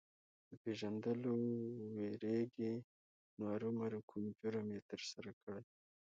د پېژندلو وېرېږي نو ارومرو کوم جرم یې ترسره کړی.